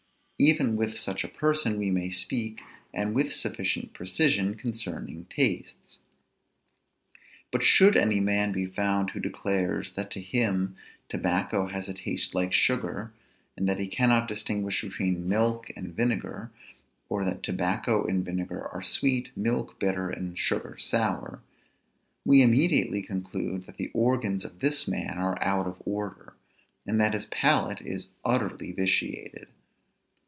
Even with such a person we may speak, and with sufficient precision, concerning tastes. But should any man be found who declares, that to him tobacco has a taste like sugar, and that he cannot distinguish between milk and vinegar; or that tobacco and vinegar are sweet, milk bitter, and sugar sour; we immediately conclude that the organs of this man are out of order, and that his palate is utterly vitiated.